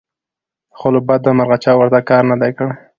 خو له بدمرغه چا ورته کار نه دى کړى